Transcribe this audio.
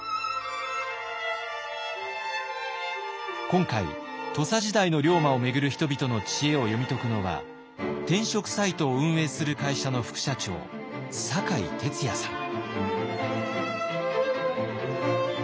今回土佐時代の龍馬を巡る人々の知恵を読み解くのは転職サイトを運営する会社の副社長酒井哲也さん。